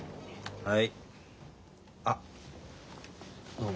はい。